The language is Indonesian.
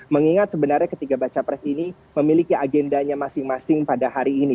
mengingat sebenarnya ketiga baca pres ini memiliki agendanya masing masing pada hari ini